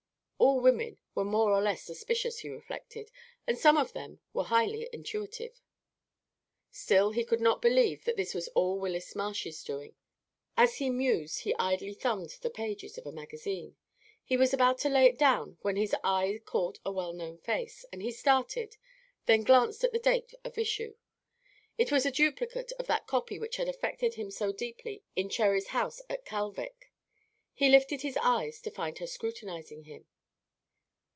All women were more or less suspicious, he reflected, and some of them were highly intuitive; still, he could not believe that this was all Willis Marsh's doing. As he mused he idly thumbed the pages of a magazine. He was about to lay it down when his eye caught a well known face, and he started, then glanced at the date of issue. It was a duplicate of that copy which had affected him so deeply in Cherry's house at Kalvik. He lifted his eyes to find her scrutinizing him.